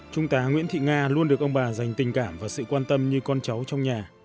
trung tá nguyễn thị nga luôn được ông bà dành tình cảm và sự quan tâm như con cháu trong nhà